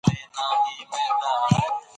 د پلونو او پلچکونو ساتنه وکړئ.